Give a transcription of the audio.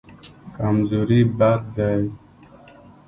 کمزوري بد دی.